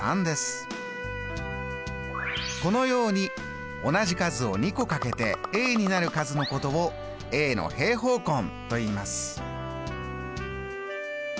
このように同じ数を２個かけてになる数のことをの平方根といいます。